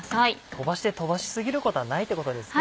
飛ばして飛ばし過ぎることはないってことですね。